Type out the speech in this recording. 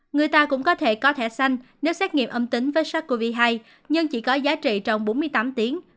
người ta cũng có thể có thẻ xanh nếu xét nghiệm âm tính với sars cov hai nhưng chỉ có giá trị trong bốn mươi tám tiếng